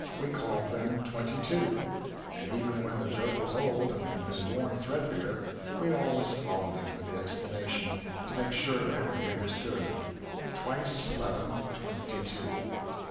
We called them "Twenty two" and even when the joke was old and had been worn threadbare we always followed it with the explanation, to make sure that it would be understood, "Twice Levin twenty two."